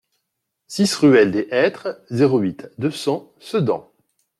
six ruelle des Hêtres, zéro huit, deux cents Sedan